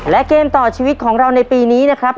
และเกมต่อชีวิตของเราในปีนี้นะครับ